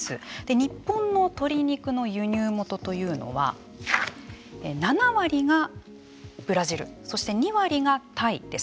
日本の鶏肉の輸入元というのは７割がブラジルそして２割がタイです。